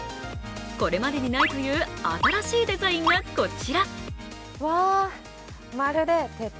これまでにないという新しいデザインがこちら。